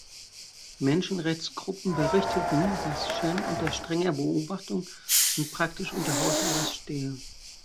Menschenrechtsgruppen berichteten, dass Chen unter strenger Beobachtung und praktisch unter Hausarrest stehe.